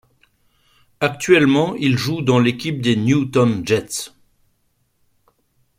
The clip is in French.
Actuellement, il joue dans l'équipe des Newtown Jets.